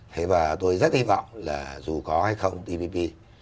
thế và tôi rất hy vọng là dù có hay không tpp